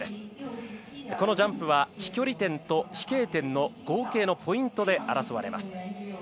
このジャンプは飛距離点と飛型点の合計のポイントで争われます。